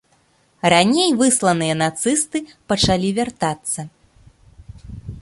Раней высланыя нацысты пачалі вяртацца.